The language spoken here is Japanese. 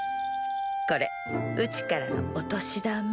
これうちからのお年玉。